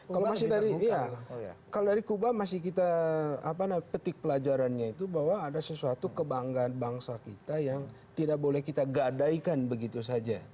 kalau masih dari kalau dari kuba masih kita petik pelajarannya itu bahwa ada sesuatu kebanggaan bangsa kita yang tidak boleh kita gadaikan begitu saja